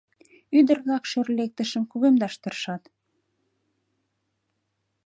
Ӱдыр-влак шӧр лектышым кугемдаш тыршат.